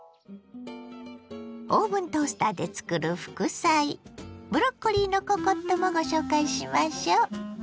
オーブントースターでつくる副菜ブロッコリーのココットもご紹介しましょ。